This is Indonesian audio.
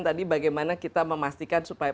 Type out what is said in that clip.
tadi bagaimana kita memastikan supaya